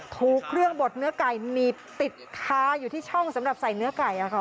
ถูกเครื่องบดเนื้อไก่หนีบติดคาอยู่ที่ช่องสำหรับใส่เนื้อไก่